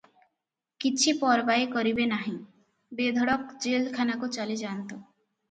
କିଛି ପରବାଏ କରିବେ ନାହିଁ, ବେଧଡ଼କ ଜେଲ୍ ଖାନାକୁ ଚାଲିଯାଆନ୍ତୁ ।